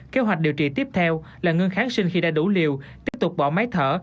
kế hoạch điều trị tiếp theo là ngưng kháng sinh khi đã đủ liều tiếp tục bỏ máy thở